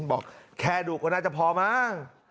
บอกแคลรุกว่าน่าจะพอมาก